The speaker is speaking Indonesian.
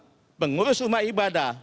akan diperoleh oleh pengurus rumah ibadah